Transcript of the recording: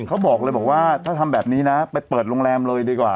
เขาบอกว่าถ้าทำแบบนี้ไปเปิดโรงแรมเลยด้วยกว่า